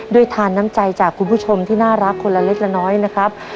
ทานน้ำใจจากคุณผู้ชมที่น่ารักคนละเล็กละน้อยนะครับ